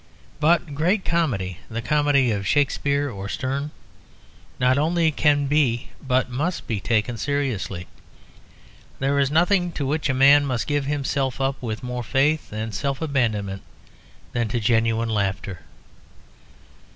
But great comedy, the comedy of Shakespeare or Sterne, not only can be, but must be, taken seriously. There is nothing to which a man must give himself up with more faith and self abandonment than to genuine laughter.